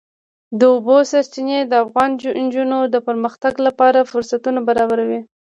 د اوبو سرچینې د افغان نجونو د پرمختګ لپاره فرصتونه برابروي.